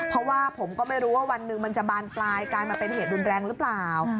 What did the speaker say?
เพราะว่าผมก็ไม่รู้ว่าวันหนึ่งมันจะบานปลายกลายมาเป็นเหตุรุนแรงหรือเปล่า